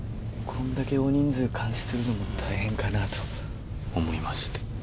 こんだけ大人数監視するのも大変かなと思いまして。